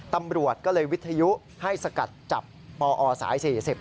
ตำรวจก็เลยวิทยุให้สกัดจับปอสาย๔๐